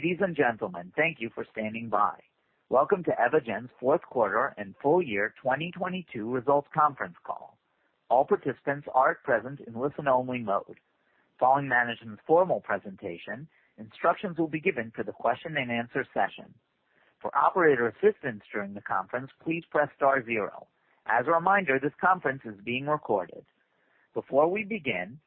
Ladies and gentlemen, thank you for standing by. Welcome to Evogene's fourth quarter and full year 2022 results conference call. All participants are at present in listen only mode. Following management's formal presentation, instructions will be given for the question and answer session. For operator assistance during the conference, please press star zero. As a reminder, this conference is being recorded. Before we begin,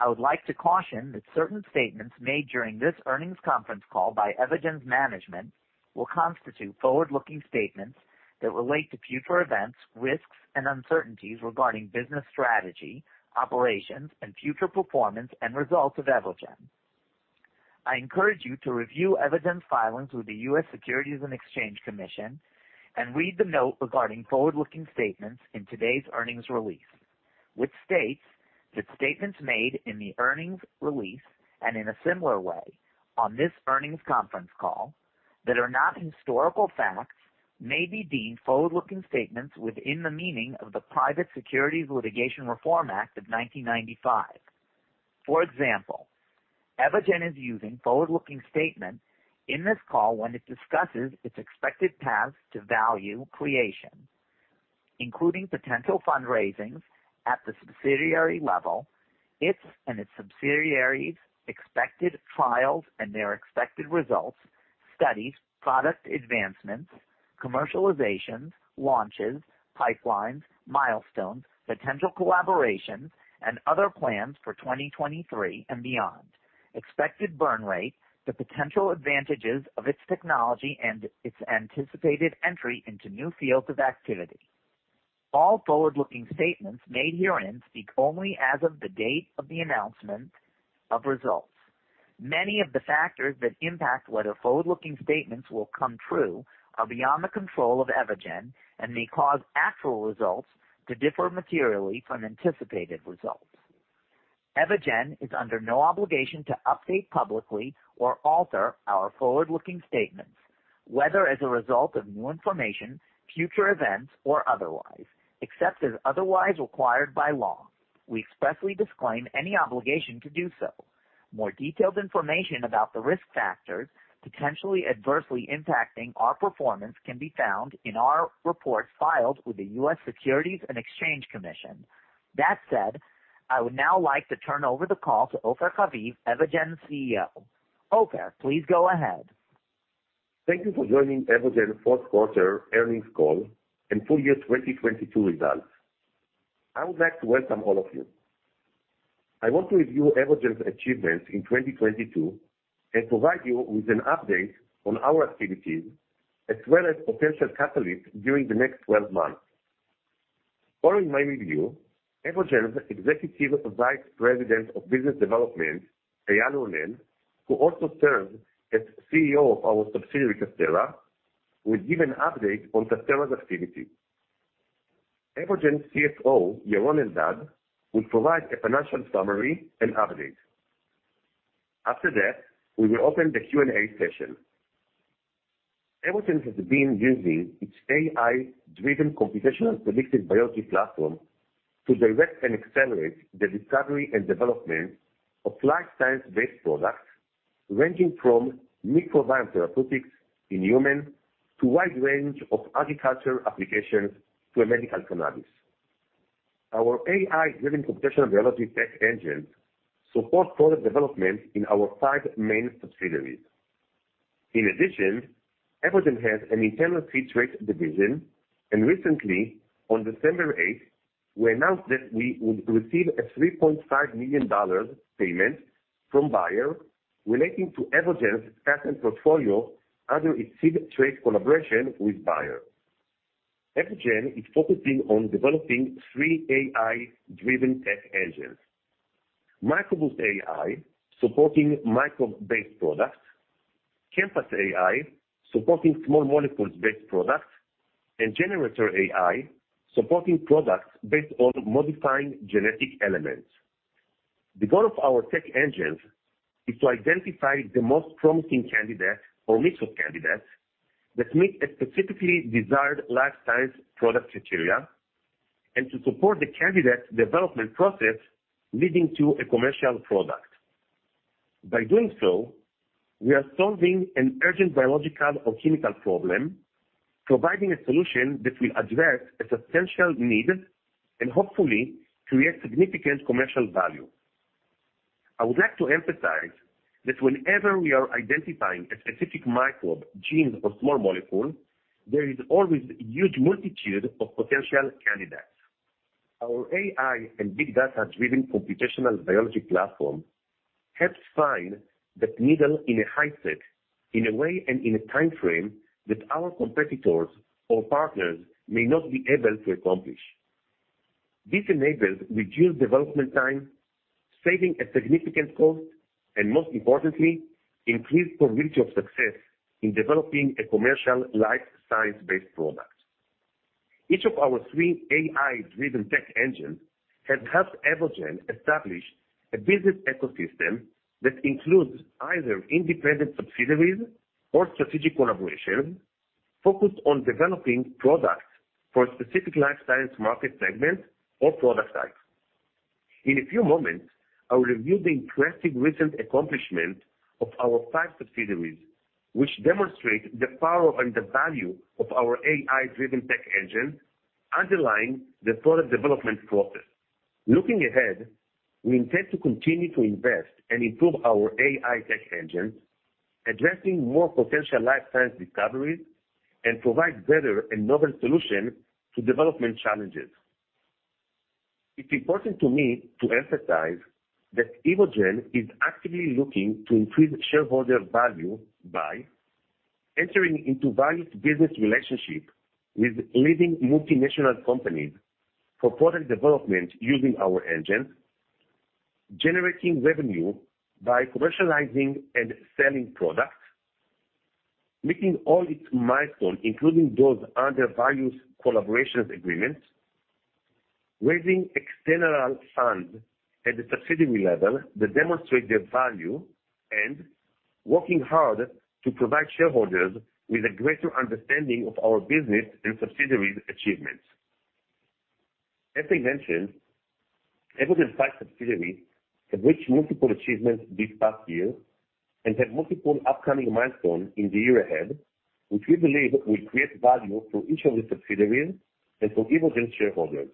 I would like to caution that certain statements made during this earnings conference call by Evogene's management will constitute forward-looking statements that relate to future events, risks, and uncertainties regarding business strategy, operations, and future performance and results of Evogene. I encourage you to review Evogene's filings with the U.S. Securities and Exchange Commission and read the note regarding forward-looking statements in today's earnings release, which states that statements made in the earnings release and in a similar way on this earnings conference call that are not historical facts may be deemed forward-looking statements within the meaning of the Private Securities Litigation Reform Act of 1995. For example, Evogene is using forward-looking statements in this call when it discusses its expected path to value creation, including potential fundraisings at the subsidiary level, its and its subsidiaries expected trials and their expected results, studies, product advancements, commercializations, launches, pipelines, milestones, potential collaborations, and other plans for 2023 and beyond, expected burn rate, the potential advantages of its technology and its anticipated entry into new fields of activity. All forward-looking statements made herein speak only as of the date of the announcement of results. Many of the factors that impact whether forward-looking statements will come true are beyond the control of Evogene and may cause actual results to differ materially from anticipated results. Evogene is under no obligation to update publicly or alter our forward-looking statements, whether as a result of new information, future events, or otherwise, except as otherwise required by law. We expressly disclaim any obligation to do so. More detailed information about the risk factors potentially adversely impacting our performance can be found in our reports filed with the U.S. Securities and Exchange Commission. That said, I would now like to turn over the call to Ofer Haviv, Evogene's CEO. Ofer, please go ahead. Thank you for joining Evogene fourth quarter earnings call and full year 2022 results. I would like to welcome all of you. I want to review Evogene's achievements in 2022 and provide you with an update on our activities as well as potential catalysts during the next 12 months. Following my review, Evogene's Executive Vice President of Business Development, Eyal Ronen, who also serves as CEO of our subsidiary, Casterra, will give an update on Casterra's activity. Evogene's CFO, Yaron Eldad, will provide a financial summary and update. After that, we will open the Q&A session. Evogene has been using its AI-driven computational predictive biology platform to direct and accelerate the discovery and development of life science-based products ranging from microbiome therapeutics in humans to wide range of agricultural applications to a medical cannabis. Our AI-driven computational biology tech engine support product development in our 5 main subsidiaries. In addition, Evogene has an internal seed trait division. Recently, on December 8, we announced that we would receive a $3.5 million payment from Bayer relating to Evogene's patent portfolio under its seed trait collaboration with Bayer. Evogene is focusing on developing three AI-driven tech engines. MicroBoost AI, supporting microbe-based products. ChemPass AI, supporting small molecules-based products. GeneRator AI, supporting products based on modifying genetic elements. The goal of our tech engines is to identify the most promising candidate or mix of candidates that meet a specifically desired life science product criteria and to support the candidate development process leading to a commercial product. By doing so, we are solving an urgent biological or chemical problem, providing a solution that will address a substantial need and hopefully create significant commercial value. I would like to emphasize that whenever we are identifying a specific microbe, genes or small molecule, there is always a huge multitude of potential candidates. Our AI and big data-driven computational biology platform helps find that needle in a haystack in a way and in a time frame that our competitors or partners may not be able to accomplish. This enables reduced development time, saving a significant cost, and most importantly, increased probability of success in developing a commercial life science-based product. Each of our three AI-driven tech engines has helped Evogene establish a business ecosystem that includes either independent subsidiaries or strategic collaboration focused on developing products for specific life science market segments or product types. In a few moments, I will review the impressive recent accomplishment of our five subsidiaries, which demonstrate the power and the value of our AI-driven tech engine underlying the product development process. Looking ahead, we intend to continue to invest and improve our AI tech engine, addressing more potential life science discoveries and provide better and novel solution to development challenges. It's important to me to emphasize that Evogene is actively looking to increase shareholder value by entering into valued business relationship with leading multinational companies for product development using our engine, generating revenue by commercializing and selling products, making all its milestone, including those under valued collaborations agreements, raising external funds at the subsidiary level that demonstrate their value, and working hard to provide shareholders with a greater understanding of our business and subsidiaries achievements. As I mentioned, Evogene's five subsidiaries have reached multiple achievements this past year and have multiple upcoming milestones in the year ahead, which we believe will create value for each of the subsidiaries and for Evogene shareholders.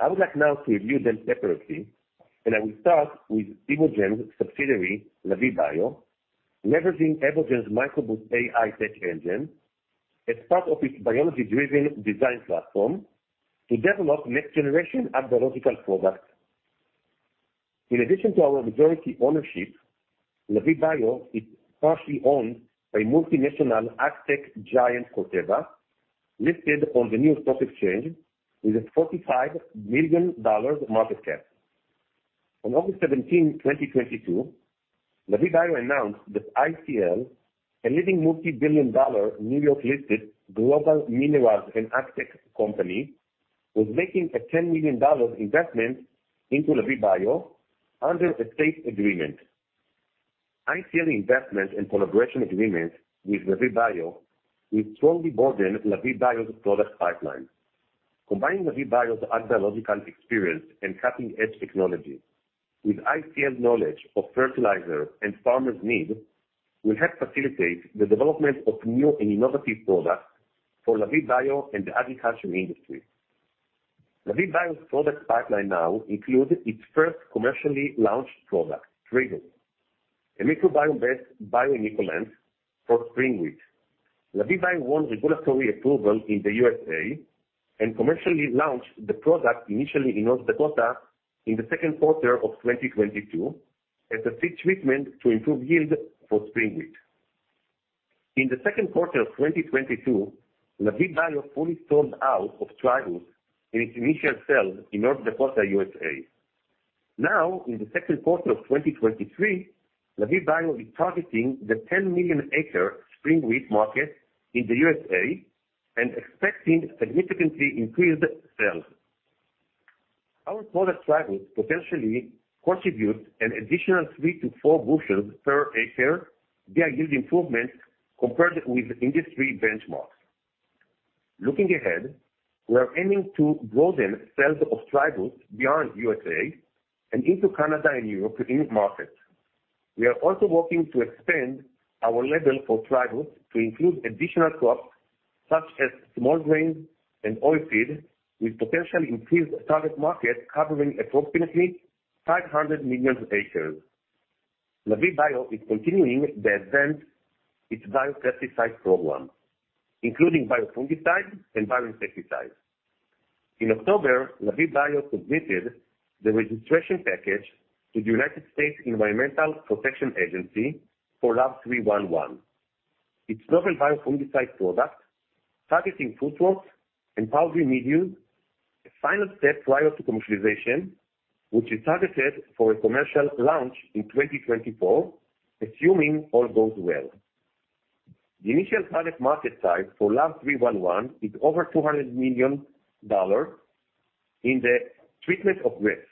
I would like now to review them separately, and I will start with Evogene's subsidiary, Lavie Bio, leveraging Evogene's MicroBoost AI tech engine as part of its biology-driven design platform to develop next-generation ag biological products. In addition to our majority ownership, Lavie Bio is partially owned by multinational ag tech giant Corteva, listed on the New York Stock Exchange with a $45 million market cap. On August 17, 2022, Lavie Bio announced that ICL, a leading multi-billion dollar New York-listed global minerals and ag tech company, was making a $10 million investment into Lavie Bio under a SAFE agreement. ICL investment and collaboration agreement with Lavie Bio will strongly broaden Lavie Bio's product pipeline. Combining Lavie Bio's ag biological experience and cutting-edge technology with ICL's knowledge of fertilizer and farmers' needs will help facilitate the development of new and innovative products for Lavie Bio and the agriculture industry. Lavie Bio's product pipeline now includes its first commercially launched product, Thrivus, a microbiome-based bio-inoculant for spring wheat. Lavie Bio won regulatory approval in the USA and commercially launched the product initially in North Dakota in the second quarter of 2022 as a seed treatment to improve yield for spring wheat. In the second quarter of 2022, Lavie Bio fully sold out of Thrivus in its initial sale in North Dakota, USA. Now, in the second quarter of 2023, Lavie Bio is targeting the 10 million acres spring wheat market in the USA and expecting significantly increased sales. Our product, Thrivus, potentially contributes an additional 3-4 bushels per acre via yield improvement compared with industry benchmarks. Looking ahead, we are aiming to broaden sales of Thrivus beyond USA and into Canada and Europe in-market. We are also working to expand our label for Thrivus to include additional crops such as small grains and oilseed with potentially increased target market covering approximately 500 million acres. Lavie Bio is continuing to advance its bio-pesticide program, including bio-fungicides and bio-insecticides. In October, Lavie Bio submitted the registration package to the U.S. Environmental Protection Agency for LAV311. Its novel bio-fungicide product targeting fruit crops and powdery mildews, a final step prior to commercialization, which is targeted for a commercial launch in 2024, assuming all goes well. The initial target market size for LAV311 is over $200 million in the treatment of grapes,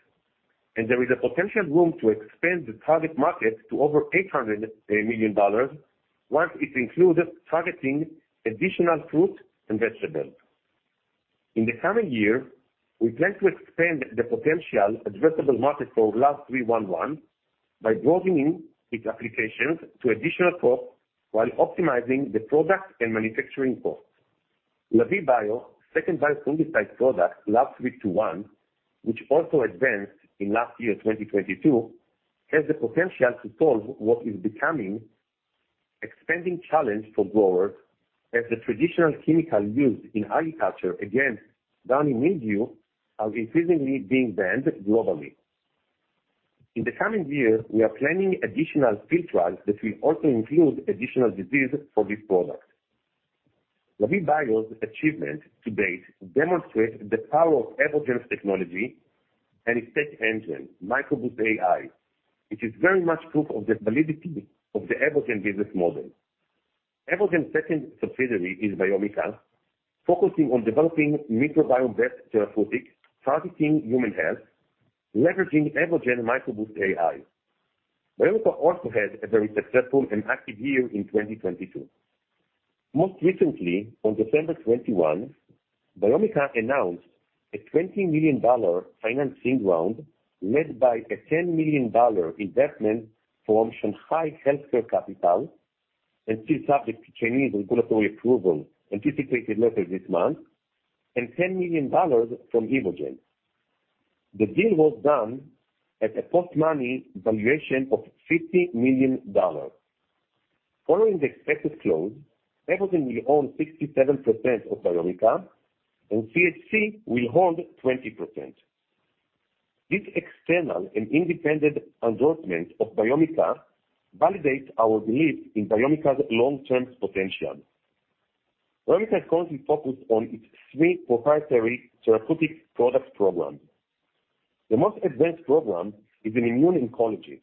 and there is a potential room to expand the target market to over $800 million once it includes targeting additional fruits and vegetables. In the coming year, we plan to expand the potential addressable market for LAV311 by broaden in its applications to additional crops while optimizing the product and manufacturing costs. Lavie Bio second bio-fungicide product, LAV321, which also advanced in last year, 2022, has the potential to solve what is becoming expanding challenge for growers as the traditional chemical used in agriculture against downy mildew are increasingly being banned globally. In the coming year, we are planning additional field trials that will also include additional disease for this product. Lavie Bio's achievement to date demonstrate the power of Evogene's technology and its tech engine, MicroBoost AI, which is very much proof of the validity of the Evogene business model. Evogene's second subsidiary is Biomica, focusing on developing microbiome-based therapeutics targeting human health, leveraging Evogene MicroBoost AI. Biomica also had a very successful and active year in 2022. Most recently, on December 21, Biomica announced a $20 million financing round led by a $10 million investment from Shanghai Healthcare Capital, and still subject to Chinese regulatory approval anticipated later this month, and $10 million from Evogene. The deal was done at a post-money valuation of $50 million. Following the expected close, Evogene will own 67% of Biomica, and CHC will hold 20%. This external and independent endorsement of Biomica validates our belief in Biomica's long-term potential. Biomica is currently focused on its three proprietary therapeutic product program. The most advanced program is in immuno-oncology.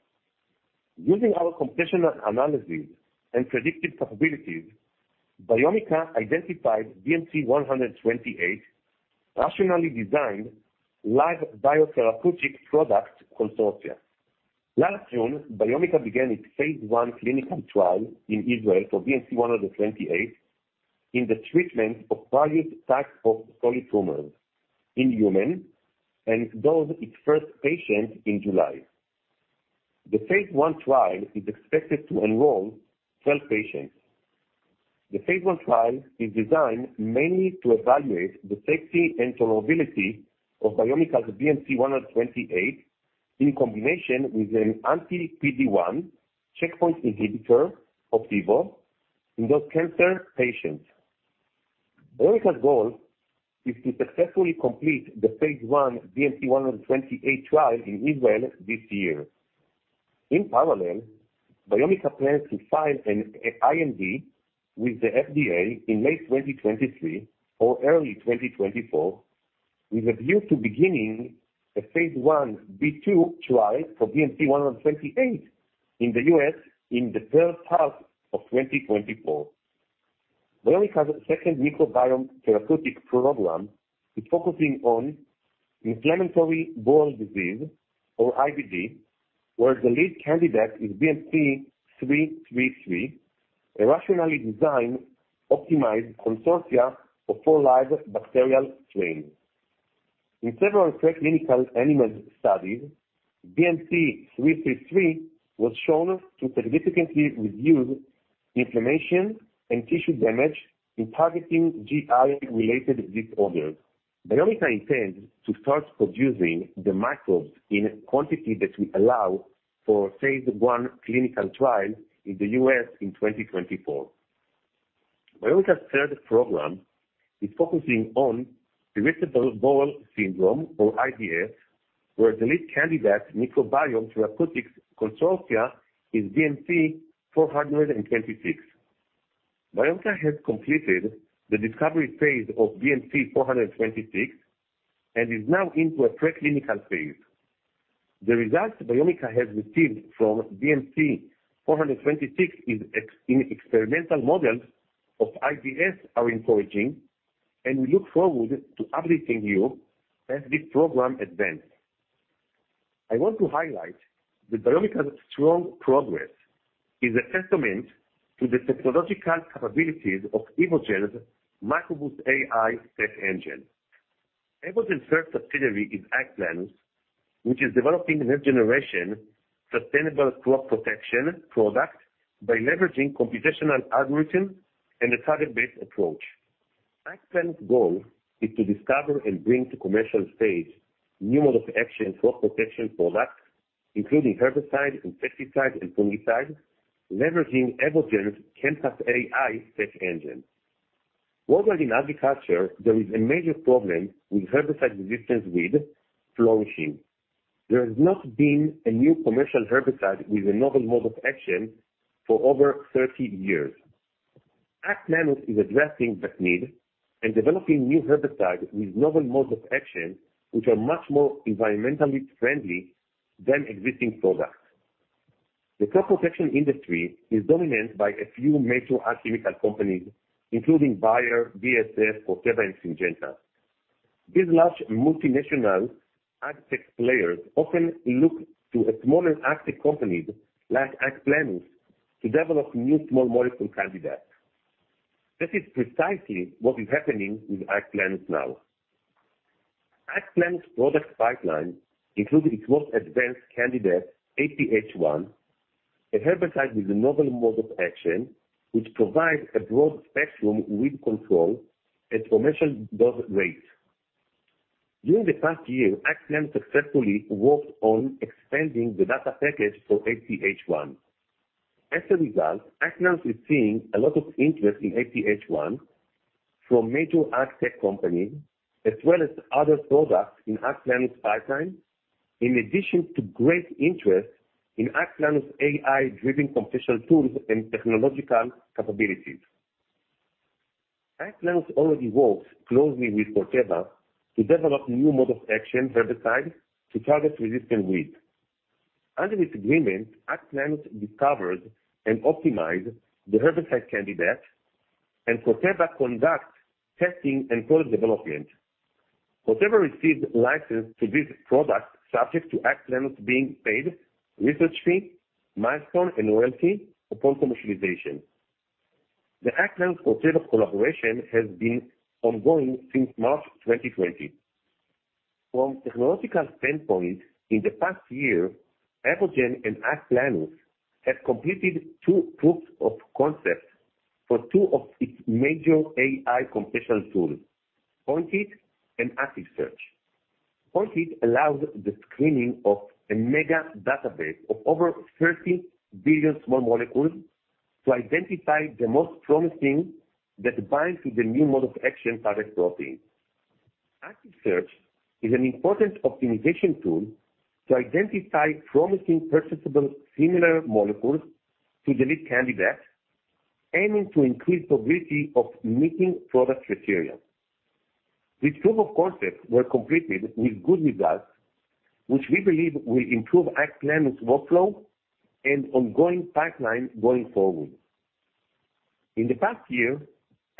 Using our computational analysis and predictive capabilities, Biomica identified BMC128, rationally designed live biotherapeutic product consortia. Last June, Biomica began its phase 1 clinical trial in Israel for BMC128 in the treatment of various types of solid tumors in humans and dosed its first patient in July. The phase 1 trial is expected to enroll 12 patients. The phase 1 trial is designed mainly to evaluate the safety and tolerability of Biomica's BMC128 in combination with an anti-PD-1 checkpoint inhibitor, Opdivo, in those cancer patients. Biomica's goal is to successfully complete the phase 1 BMC128 trial in Israel this year. In parallel, Biomica plans to file an IND with the FDA in May 2023 or early 2024, with a view to beginning a phase 1B2 trial for BMC128 in the U.S. in the third half of 2024. Biomica's second microbiome therapeutic program is focusing on inflammatory bowel disease, or IBD, where the lead candidate is BMC333, a rationally designed optimized consortia of 4 live bacterial strains. In several preclinical animal studies, BMC333 was shown to significantly reduce inflammation and tissue damage in targeting GI-related disorders. Biomica intends to start producing the microbes in a quantity that will allow for phase I clinical trial in the U.S. in 2024. Biomica's third program is focusing on irritable bowel syndrome, or IBS, where the lead candidate microbiome therapeutics consortia is BMC426. Biomica has completed the discovery phase of BMC426 and is now into a preclinical phase. The results Biomica has received from BMC426 is ex-in experimental models of IBS are encouraging, and we look forward to updating you as this program advances. I want to highlight that Biomica's strong progress is a testament to the technological capabilities of Evogene's microbes AI tech engine. Evogene's first subsidiary is AgPlenus, which is developing next-generation sustainable crop protection product by leveraging computational algorithm and a target-based approach. AgPlenus' goal is to discover and bring to commercial phase new mode of action crop protection products, including herbicides and pesticides and fungicides, leveraging Evogene's ChemPass AI tech engine. Worldwide in agriculture, there is a major problem with herbicide-resistant weeds flourishing. There has not been a new commercial herbicide with a novel mode of action for over 30 years. AgPlenus is addressing that need and developing new herbicides with novel modes of action, which are much more environmentally friendly than existing products. The crop protection industry is dominated by a few major agrochemical companies, including Bayer, BASF, Corteva, and Syngenta. These large multinational ag tech players often look to a smaller ag tech companies like AgPlenus to develop new small molecule candidates. This is precisely what is happening with AgPlenus now. AgPlenus' product pipeline includes its most advanced candidate, APH1, a herbicide with a novel mode of action, which provides a broad-spectrum weed control at commercial dose rates. During the past year, AgPlenus successfully worked on expanding the data package for APH1. As a result, AgPlenus is seeing a lot of interest in APH1 from major ag tech companies, as well as other products in AgPlenus' pipeline, in addition to great interest in AgPlenus' AI-driven computational tools and technological capabilities. AgPlenus already works closely with Corteva to develop new mode of action herbicides to target resistant weeds. Under this agreement, AgPlenus discovers and optimizes the herbicide candidate, and Corteva conducts testing and product development. Whatever receives license to this product subject to AgPlenus being paid research fee, milestone and royalty upon commercialization. The AgPlenus Corteva collaboration has been ongoing since March 2020. From technological standpoint, in the past year, Evogene and AgPlenus have completed two proofs of concept for two of its major AI computational tools, PointHit and ActiveSearch. PointHit allows the screening of a mega database of over 30 billion small molecules to identify the most promising that bind to the new mode of action target protein. ActiveSearch is an important optimization tool to identify promising perceptible similar molecules to the lead candidates, aiming to increase the probability of meeting product criteria. These proof of concept were completed with good results, which we believe will improve AgPlenus workflow and ongoing pipeline going forward. In the past year,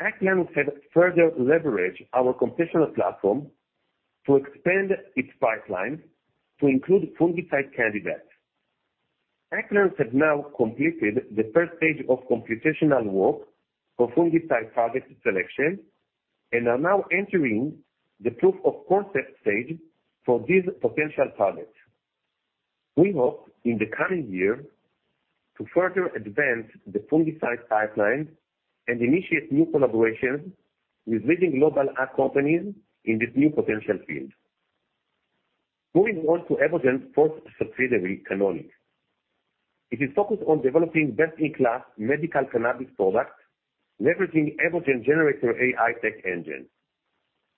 AgPlenus has further leveraged our computational platform to expand its pipeline to include fungicide candidates. AgPlenus has now completed the first stage of computational work for fungicide target selection and are now entering the proof of concept stage for these potential targets. We hope in the coming year to further advance the fungicide pipeline and initiate new collaborations with leading global ag companies in this new potential field. Moving on to Evogene's fourth subsidiary, Canonic. It is focused on developing best-in-class medical cannabis products, leveraging Evogene GeneRator AI tech-engine.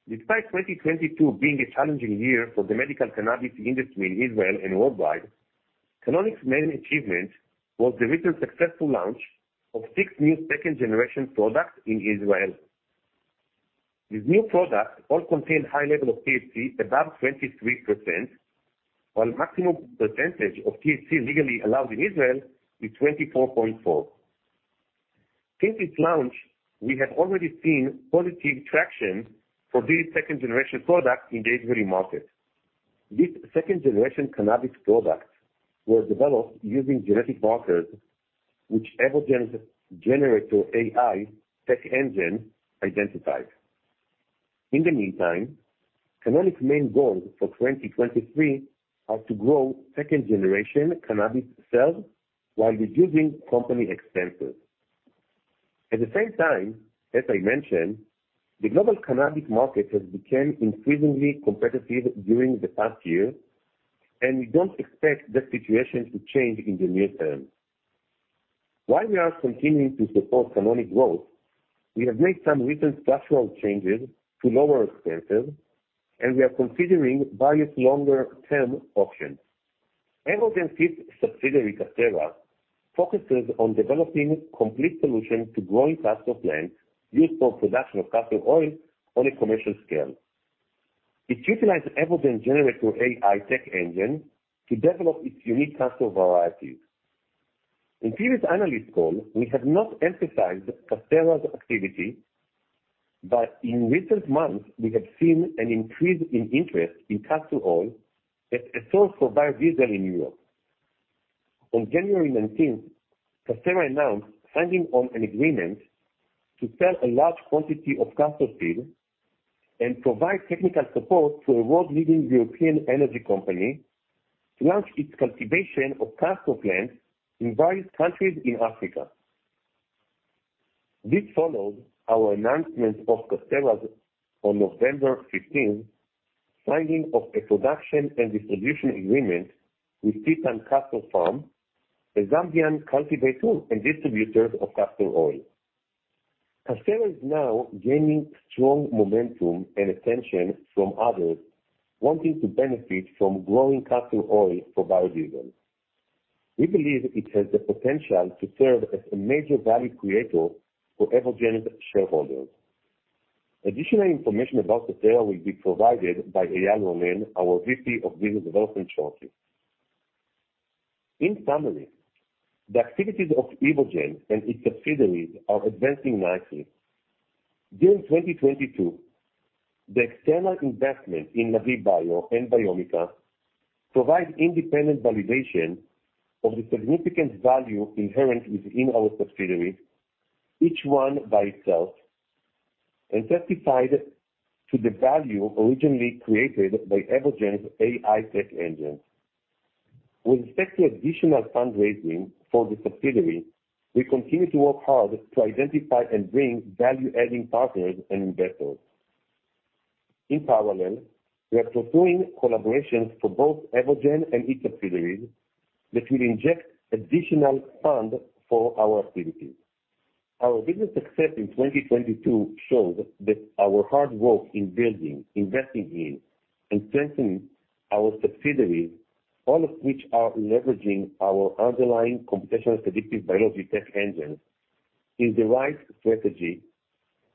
Despite 2022 being a challenging year for the medical cannabis industry in Israel and worldwide, Canonic's main achievement was the recent successful launch of six new second-generation products in Israel. These new products all contain high level of THC, above 23%, while maximum percentage of THC legally allowed in Israel is 24.4%. Since its launch, we have already seen positive traction for these second-generation products in the Israeli market. These second-generation cannabis products were developed using genetic markers which Evogene's GeneRator AI tech-engine identified. In the meantime, Canonic's main goal for 2023 are to grow second-generation cannabis sales while reducing company expenses. At the same time, as I mentioned, the global cannabis market has become increasingly competitive during the past year, and we don't expect the situation to change in the near term. While we are continuing to support Canonic growth, we have made some recent structural changes to lower expenses, and we are considering various longer-term options. Evogene fifth subsidiary, Casterra, focuses on developing complete solution to growing castor plants used for production of castor oil on a commercial scale. It utilizes Evogene GeneRator AI tech-engine to develop its unique castor varieties. In previous analyst call, we have not emphasized Casterra's activity, but in recent months, we have seen an increase in interest in castor oil as a source for biodiesel in Europe. On January nineteenth, Casterra announced signing on an agreement to sell a large quantity of castor seed and provide technical support to a world-leading European energy company to launch its cultivation of castor plants in various countries in Africa. This follows our announcement of Casterra's, on November fifteenth, signing of a production and distribution agreement with Titan Castor Farm, a Zambian cultivator and distributor of castor oil. Casterra is now gaining strong momentum and attention from others wanting to benefit from growing castor oil for biodiesel. We believe it has the potential to serve as a major value creator for Evogene shareholders. Additional information about Casterra will be provided by Eyal Ronen, our VP of Business Development, shortly. In summary, the activities of Evogene and its subsidiaries are advancing nicely. During 2022, the external investment in Lavie Bio and Biomica provide independent validation of the significant value inherent within our subsidiaries, each one by itself, and testified to the value originally created by Evogene's AI tech-engine. With respect to additional fundraising for the subsidiaries, we continue to work hard to identify and bring value-adding partners and investors. In parallel, we are pursuing collaborations for both Evogene and its subsidiaries that will inject additional fund for our activities. Our business success in 2022 shows that our hard work in building, investing in, and strengthening our subsidiaries, all of which are leveraging our underlying computational predictive biology tech-engine, is the right strategy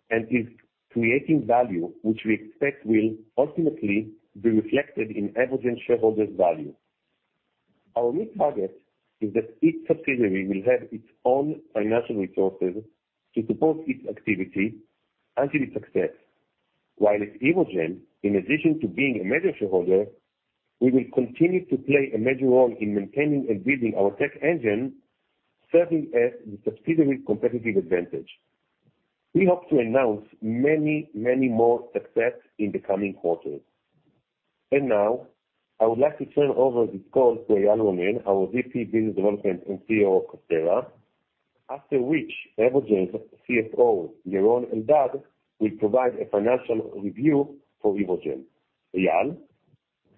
and is creating value, which we expect will ultimately be reflected in Evogene shareholders value. Our new target is that each subsidiary will have its own financial resources to support its activity and to be success. While at Evogene, in addition to being a major shareholder, we will continue to play a major role in maintaining and building our tech engine, serving as the subsidiary competitive advantage. We hope to announce many more success in the coming quarters. Now, I would like to turn over this call to Eyal Ronen, our EVP Business Development and CEO of Casterra, after which Evogene's CFO, Yaron Eldad, will provide a financial review for Evogene. Eyal?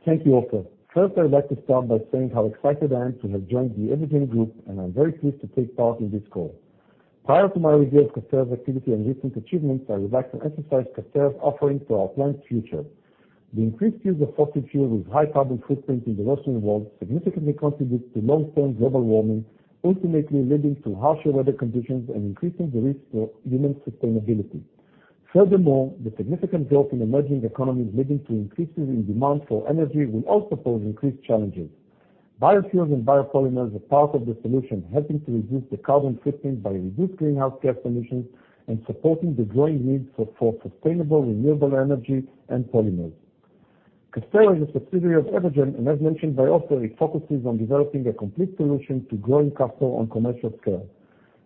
Thank you, Ofer. First, I'd like to start by saying how excited I am to have joined the Evogene Group, and I'm very pleased to take part in this call. Prior to my review of Casterra's activity and recent achievements, I would like to emphasize Casterra's offering to our planet's future. The increased use of fossil fuel with high carbon footprint in the Western world significantly contributes to long-term global warming, ultimately leading to harsher weather conditions and increasing the risk for human sustainability. Furthermore, the significant growth in emerging economies leading to increases in demand for energy will also pose increased challenges. Biofuels and biopolymers are part of the solution, helping to reduce the carbon footprint by reduced greenhouse gas emissions and supporting the growing need for sustainable renewable energy and polymers. Casterra is a subsidiary of Evogene, and as mentioned by Ofer, it focuses on developing a complete solution to growing castor on commercial scale.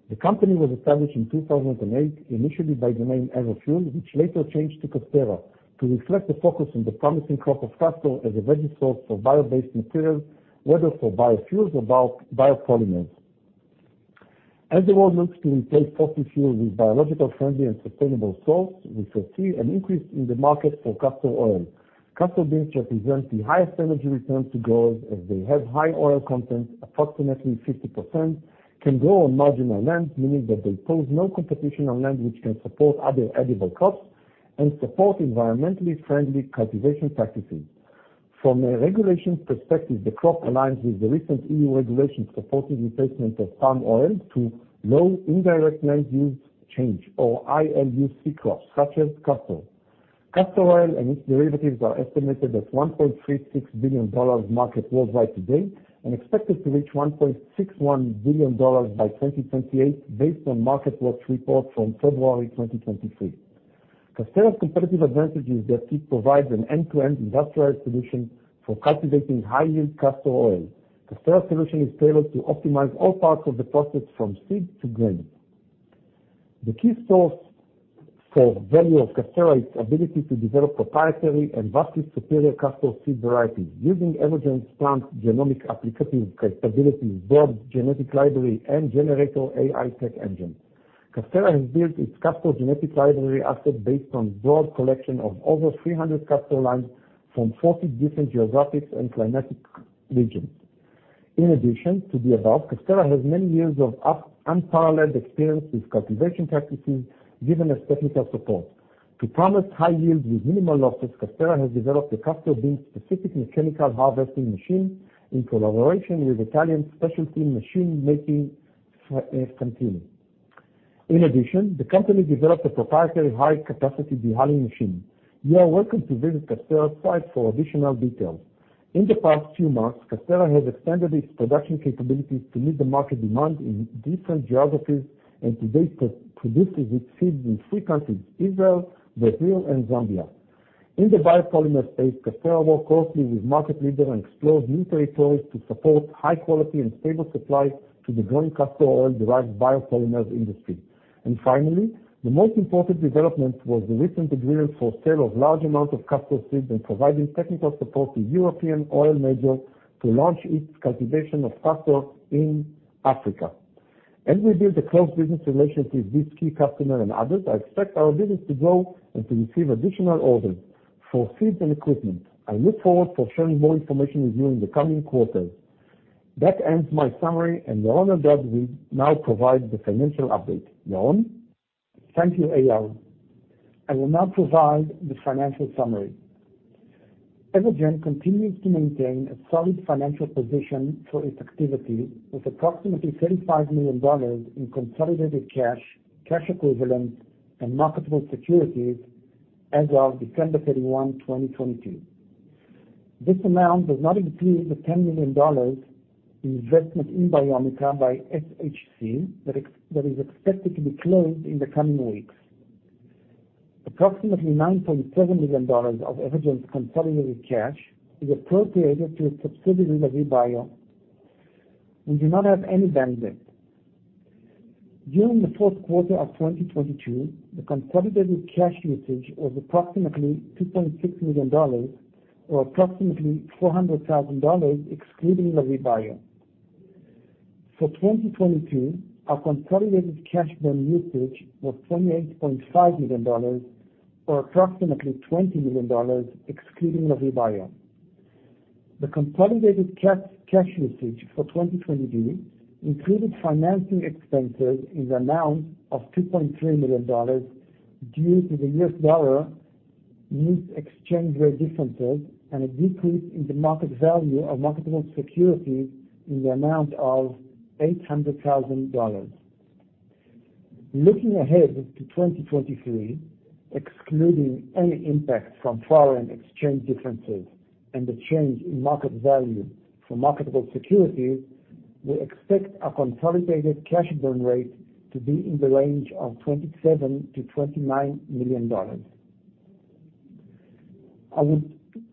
The company was established in 2008, initially by the name Evofuel, which later changed to Casterra to reflect the focus on the promising crop of castor as a ready source for bio-based materials, whether for biofuels or biopolymers. As the world looks to replace fossil fuel with biological-friendly and sustainable source, we foresee an increase in the market for castor oil. Castor beans represent the highest energy return to growers as they have high oil content, approximately 50%, can grow on marginal land, meaning that they pose no competition on land which can support other edible crops, and support environmentally friendly cultivation practices. From a regulation perspective, the crop aligns with the recent EU regulations supporting replacement of palm oil to low indirect land use change or ILUC crops, such as castor. Castor oil and its derivatives are estimated at $1.36 billion market worldwide today and expected to reach $1.61 billion by 2028 based on MarketWatch report from February 2023. Casterra's competitive advantage is that it provides an end-to-end industrialized solution for cultivating high-yield castor oil. Casterra solution is tailored to optimize all parts of the process from seed to grain. The key source for value of Casterra is ability to develop proprietary and vastly superior castor seed varieties using Evogene's plant genomic applicative capabilities, broad genetic library, and GeneRator AI tech engine. Casterra has built its castor genetics library asset based on broad collection of over 300 castor lines from 40 different geographics and climatic regions. In addition to the above, Casterra has many years of unparalleled experience with cultivation practices, giving us technical support. To promise high yield with minimal losses, Casterra has developed a castor bean-specific mechanical harvesting machine in collaboration with Italian specialty machine making company. In addition, the company developed a proprietary high-capacity dehulling machine. You are welcome to visit Casterra site for additional details. In the past few months, Casterra has expanded its production capabilities to meet the market demand in different geographies, and today produces its seeds in three countries, Israel, Brazil, and Zambia. In the biopolymer space, Casterra work closely with market leader and explores new territories to support high quality and stable supply to the growing castor oil-derived biopolymers industry. Finally, the most important development was the recent agreement for sale of large amount of castor seeds and providing technical support to European oil major to launch its cultivation of castor in Africa. As we build a close business relationship with this key customer and others, I expect our business to grow and to receive additional orders for seeds and equipment. I look forward for sharing more information with you in the coming quarters. That ends my summary, and Yaron Eldad will now provide the financial update. Yaron? Thank you, Eyal. I will now provide the financial summary. Evogene continues to maintain a solid financial position for its activity with approximately $35 million in consolidated cash equivalents, and marketable securities as of December 31, 2022. This amount does not include the $10 million investment in Biomica by SHC that is expected to be closed in the coming weeks. Approximately $9.7 million of Evogene's consolidated cash is appropriated to a subsidiary, Lavie Bio. We do not have any bank debt. During the fourth quarter of 2022, the consolidated cash usage was approximately $2.6 million, or approximately $400,000, excluding Lavie Bio. For 2022, our consolidated cash burn usage was $28.5 million or approximately $20 million, excluding Lavie Bio. The consolidated cash usage for 2022 included financing expenses in the amount of $2.3 million due to the U.S. dollar new exchange rate differences and a decrease in the market value of marketable securities in the amount of $800,000. Looking ahead to 2023, excluding any impact from foreign exchange differences and the change in market value for marketable securities, we expect our consolidated cash burn rate to be in the range of $27 million-$29 million.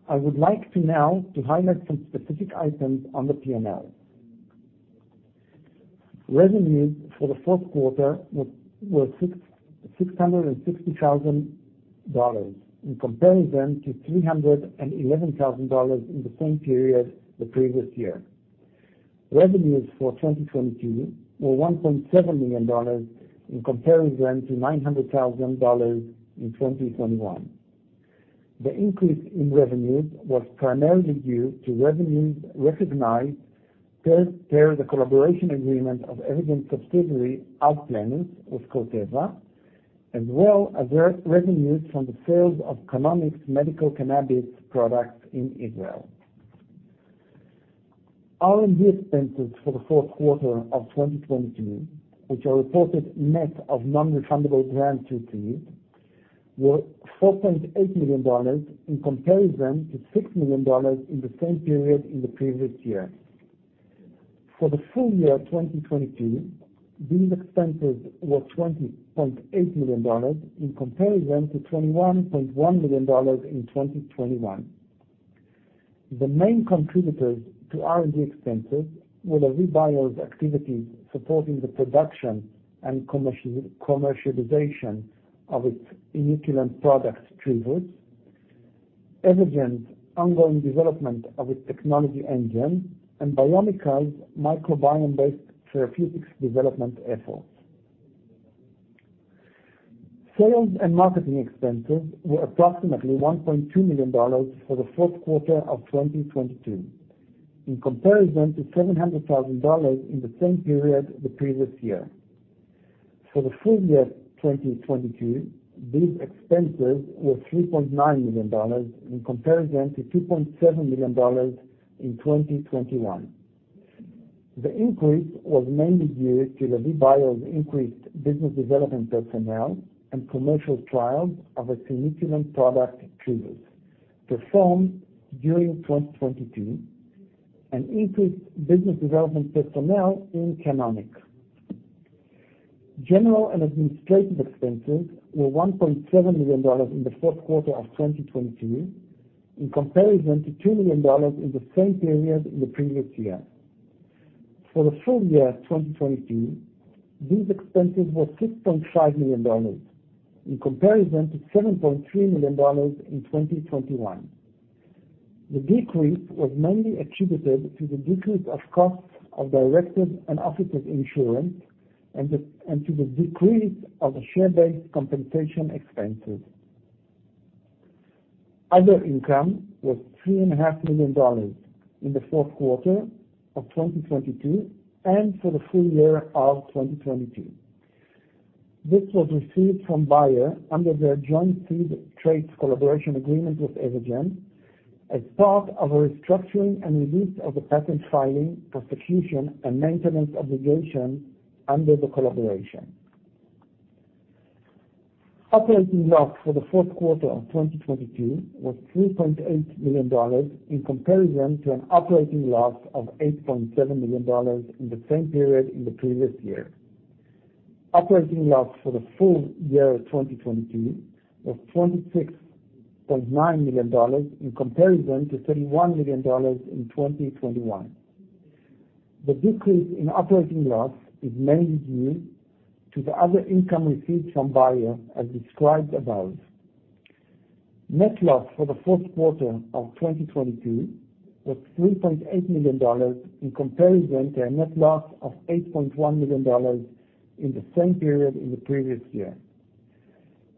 I would like to now to highlight some specific items on the P&L. Revenues for the fourth quarter were $660,000 in comparison to $311,000 in the same period the previous year. Revenues for 2022 were $1.7 million in comparison to $900,000 in 2021. The increase in revenues was primarily due to revenues recognized per the collaboration agreement of Evogene subsidiary AgPlenus with Corteva, as well as their revenues from the sales of Canonic medical cannabis products in Israel. R&D expenses for the fourth quarter of 2022, which are reported net of non-refundable grant received, were $4.8 million in comparison to $6 million in the same period in the previous year. For the full year 2022, these expenses were $20.8 million in comparison to $21.1 million in 2021. The main contributors to R&D expenses were the Lavie Bio's activities supporting the production and commercialization of its inoculant product, Thrivus, Evogene's ongoing development of its technology engine, and Biomica's microbiome-based therapeutics development efforts. Sales and marketing expenses were approximately $1.2 million for the fourth quarter of 2022 in comparison to $700,000 in the same period the previous year. For the full year 2022, these expenses were $3.9 million in comparison to $2.7 million in 2021. The increase was mainly due to Lavie Bio's increased business development personnel and commercial trials of a significant product, Thrivus, performed during 2022 and increased business development personnel in Canonic. General and administrative expenses were $1.7 million in the fourth quarter of 2022 in comparison to $2 million in the same period in the previous year. For the full year 2022, these expenses were $6.5 million in comparison to $7.3 million in 2021. The decrease was mainly attributed to the decrease of costs of directors and officers insurance and to the decrease of the share-based compensation expenses. Other income was $3.5 million in the fourth quarter of 2022 and for the full year of 2022. This was received from Bayer under their joint seed traits collaboration agreement with Evogene as part of a restructuring and release of the patent filing, prosecution, and maintenance obligation under the collaboration. Operating loss for the fourth quarter of 2022 was $3.8 million in comparison to an operating loss of $8.7 million in the same period in the previous year. Operating loss for the full year 2022 was $26.9 million in comparison to $31 million in 2021. The decrease in operating loss is mainly due to the other income received from Bayer as described above. Net loss for the fourth quarter of 2022 was $3.8 million in comparison to a net loss of $8.1 million in the same period in the previous year.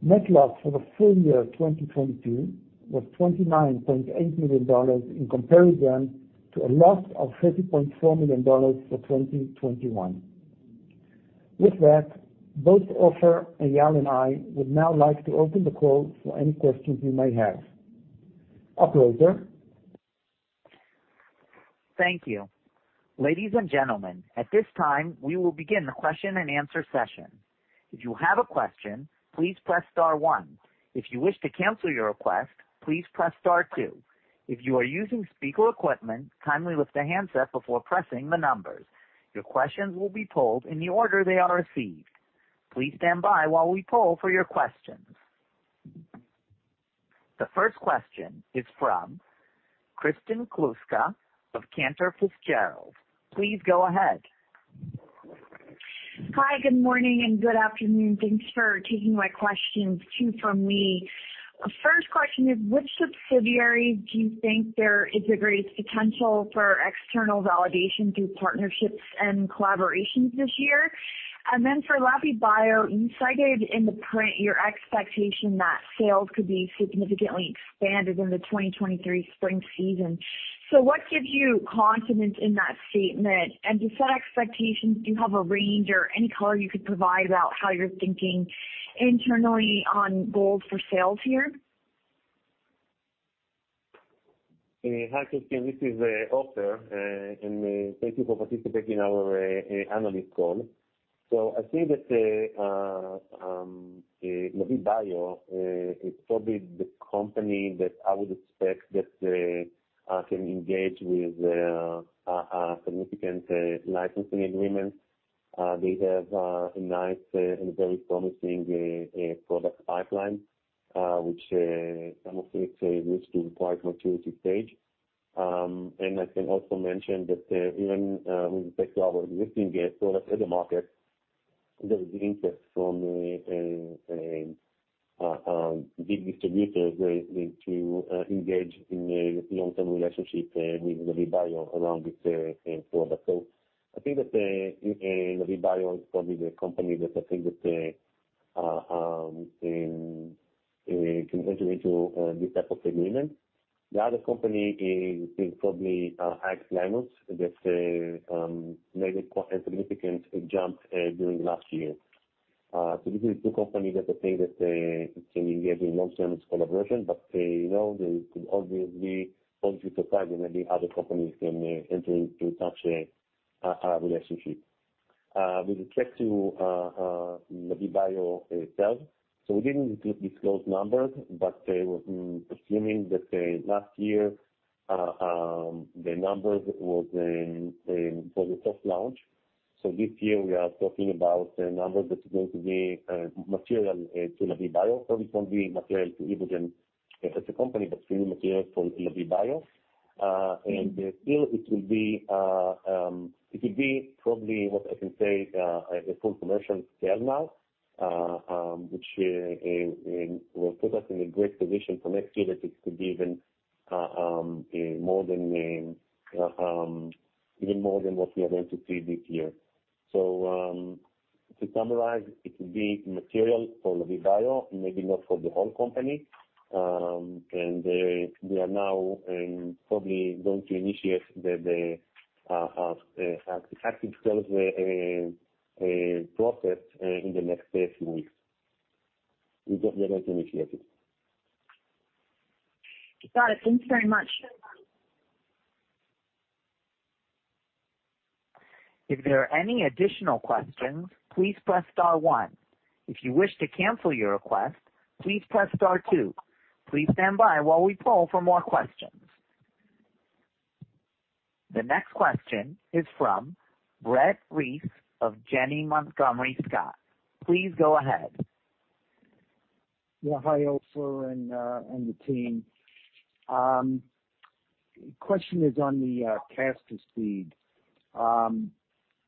Net loss for the full year 2022 was $29.8 million in comparison to a loss of $30.4 million for 2021. Both Ofer and Eyal and I would now like to open the call for any questions you may have. Operator? Thank you. Ladies and gentlemen, at this time, we will begin the question-and-answer session. If you have a question, please press star one. If you wish to cancel your request, please press star two. If you are using speaker equipment, kindly lift the handset before pressing the numbers. Your questions will be pulled in the order they are received. Please stand by while we pull for your questions. The first question is from Kristen Kluska of Cantor Fitzgerald. Please go ahead. Hi. Good morning and good afternoon. Thanks for taking my questions too from me. First question is, which subsidiaries do you think there is the greatest potential for external validation through partnerships and collaborations this year? Then for Lavie Bio, you cited in the print your expectation that sales could be significantly expanded in the 2023 spring season. What gives you confidence in that statement? To set expectations, do you have a range or any color you could provide about how you're thinking internally on goals for sales here? Hi, Kristen, this is Ofer, and thank you for participating in our analyst call. I think that Lavie Bio is probably the company that I would expect that can engage with a significant licensing agreement. They have a nice and very promising product pipeline, which some of it reached to quite maturity stage. I can also mention that even with respect to our existing guests or at the market, there is interest from big distributors to engage in a long-term relationship with Lavie Bio around this product. I think that Lavie Bio is probably the company that I think that can enter into this type of agreement. The other company is probably AgPlenus that made a significant jump during last year. These are two companies that I think that can engage in long-term collaboration, but, you know, there could always be surprise and maybe other companies can enter into such relationship. With respect to Lavie Bio itself, we didn't disclose numbers, but they were assuming that last year the numbers was for the first launch. This year, we are talking about a number that is going to be material to Lavie Bio, or it won't be material to Evogene as a company, but really material for Lavie Bio. Still it will be, it will be probably what I can say, a full commercial scale now, which will put us in a great position for next year that it could be even more than what we are going to see this year. To summarize, it will be material for Lavie Bio, maybe not for the whole company, and we are now probably going to initiate the active sales process in the next, say, few weeks. We just are going to initiate it. Got it. Thanks very much. If there are any additional questions, please press star one. If you wish to cancel your request, please press star two. Please stand by while we poll for more questions. The next question is from Brett Reiss of Janney Montgomery Scott. Please go ahead. Yeah. Hi, Ofer and the team. Question is on the castor seed.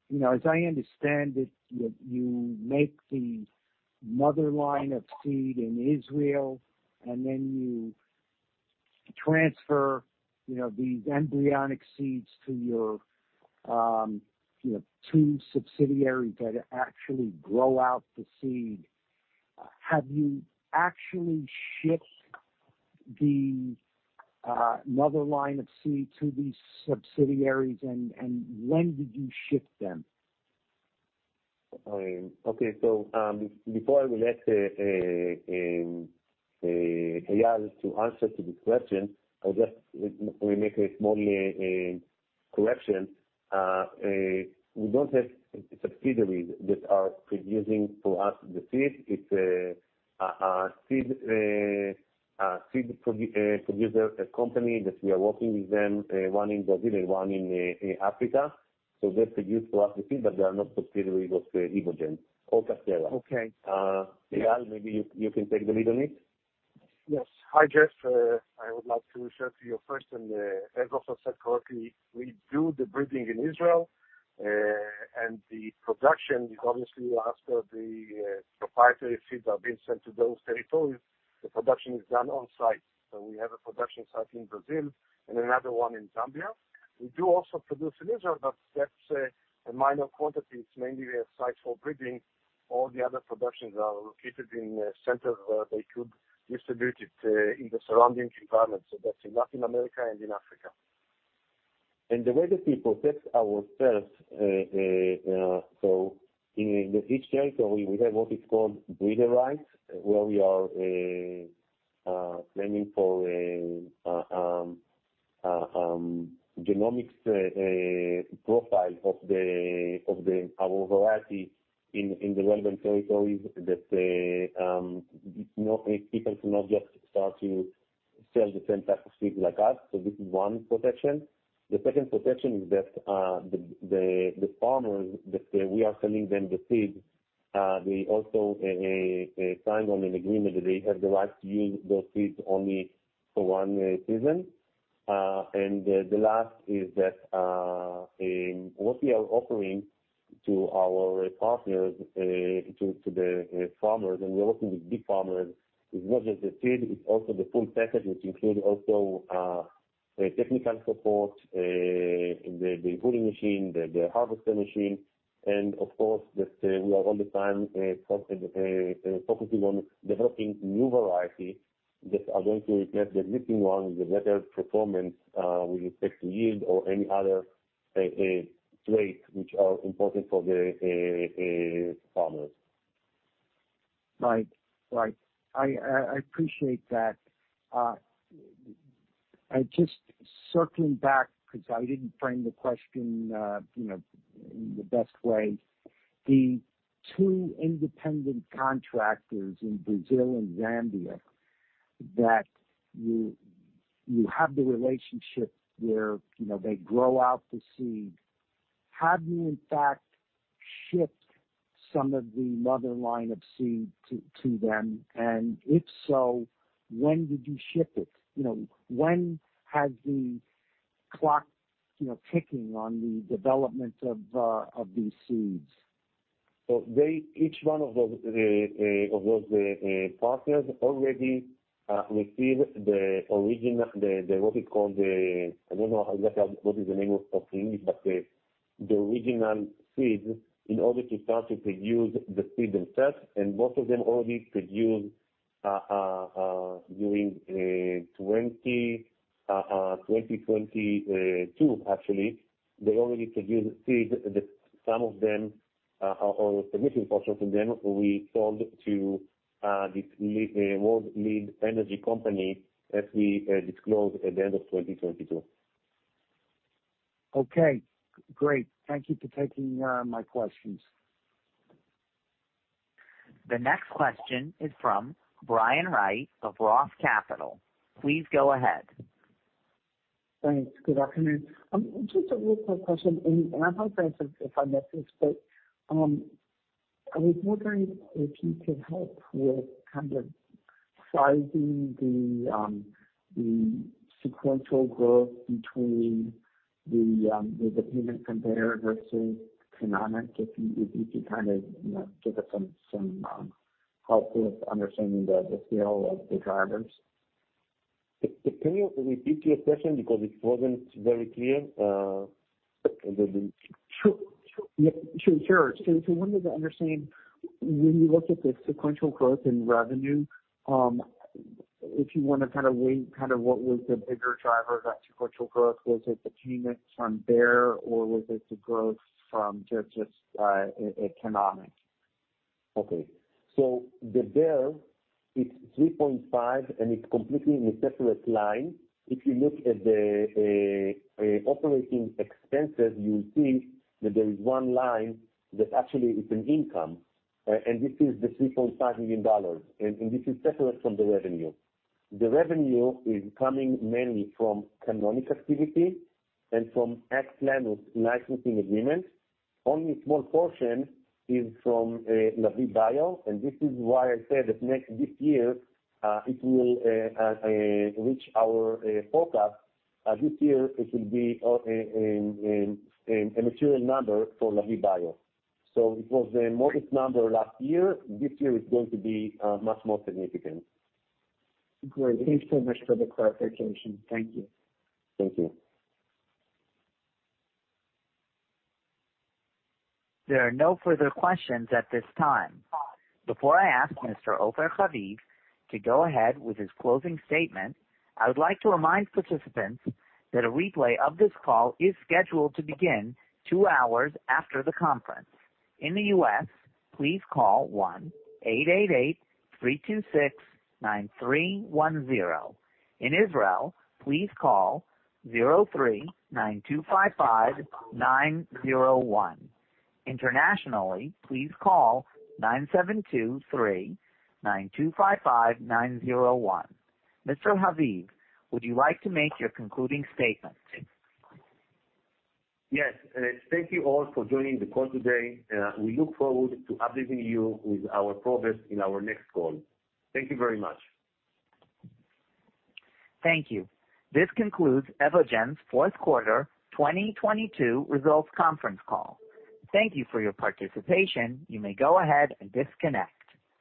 You know, as I understand it, you make the mother line of seed in Israel, and then you transfer, you know, these embryonic seeds to your, you know, two subsidiaries that actually grow out the seed. Have you actually shipped the mother line of seed to these subsidiaries and when did you ship them? Okay. Before I will let Eyal to answer to this question, I'll just remake a small correction. We don't have subsidiaries that are producing for us the seed. It's a seed producer company that we are working with them, one in Brazil and one in Africa. They produce for us the seed, but they are not subsidiary of Evogene or Casterra. Okay. Eyal, maybe you can take the lead on it. Yes. Hi, Brett. I would like to answer your question. As Ofer said correctly, we do the breeding in Israel, and the production is obviously after the proprietary seeds are being sent to those territories. The production is done on site, so we have a production site in Brazil and another one in Zambia. We do also produce in Israel, but that's a minor quantity. It's mainly a site for breeding. All the other productions are located in centers where they could distribute it in the surrounding environments. That's in Latin America and in Africa. The way that we protect ourselves, so in each territory we have what is called breeder rights, where we are claiming for genomics profile of our variety in the relevant territories that people cannot just start to sell the same type of seed like us. This is one protection. The second protection is that the farmers that we are selling them the seeds, they also sign on an agreement that they have the right to use those seeds only for one season. The last is that, what we are offering to our partners, to the farmers, and we are working with big farmers, is not just the seed, it's also the full package, which include also, technical support, the pruning machine, the harvester machine, and of course, that, we are all the time, focusing on developing new variety that are going to replace the existing one with a better performance, with respect to yield or any other, trait which are important for the farmers. Right. Right. I appreciate that. I just circling back because I didn't frame the question, you know, in the best way. The two independent contractors in Brazil and Zambia that you have the relationship where, you know, they grow out the seed. Have you in fact shipped some of the mother line of seed to them, and if so, when did you ship it? You know, when has the clock, you know, ticking on the development of these seeds? They, each one of those partners already received the original, what we call the. I don't know exactly what is the name of the English, but the original seeds in order to start to produce the seed themselves, and most of them already produced during 2022 actually. They already produced seeds. The, some of them or a significant portion of them we sold to this world lead energy company that we disclosed at the end of 2022. Okay, great. Thank you for taking my questions. The next question is from Brian Wright of Roth Capital. Please go ahead. Thanks. Good afternoon. Just a real quick question, and I apologize if I missed this, but I was wondering if you could help with kind of sizing the sequential growth between the payment from Bayer versus Canonic. If you could kind of, you know, give us some help with understanding the scale of the drivers. Can you repeat your question because it wasn't very clear? Sure. Yeah, sure. I wanted to understand when you look at the sequential growth in revenue, if you wanna kinda weigh what was the bigger driver of that sequential growth, was it the payments from Bayer or was it the growth from just Canonic? Okay. The Bayer, it's 3.5, and it's completely in a separate line. If you look at the operating expenses, you'll see that there is one line that actually is an income, and this is the $3.5 million, and this is separate from the revenue. The revenue is coming mainly from Canonic activity and from X-Lan of licensing agreements. Only a small portion is from Lavie Bio, and this is why I said that this year it will reach our forecast. This year it will be a material number for Lavie Bio. It was a modest number last year. This year it's going to be much more significant. Great. Thank you so much for the clarification. Thank you. Thank you. There are no further questions at this time. Before I ask Mr. Ofer Haviv to go ahead with his closing statement, I would like to remind participants that a replay of this call is scheduled to begin two hours after the conference. In the U.S., please call 1-888-326-9310. In Israel, please call 03-925-5901. Internationally, please call 972-3-925-5901. Mr. Haviv, would you like to make your concluding statement? Yes. Thank you all for joining the call today. We look forward to updating you with our progress in our next call. Thank you very much. Thank you. This concludes Evogene's fourth quarter 2022 results conference call. Thank you for your participation. You may go ahead and disconnect.